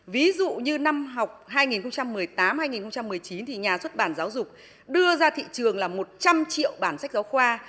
ví dụ như năm học hai nghìn một mươi tám hai nghìn một mươi chín thì nhà xuất bản giáo dục đưa ra thị trường là một trăm linh triệu bản sách giáo khoa